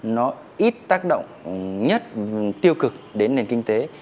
nó ít tác động nhất tiêu cực đến nền kinh tế